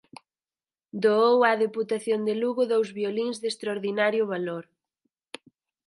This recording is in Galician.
Doou á Deputación de Lugo dous violíns de extraordinario valor.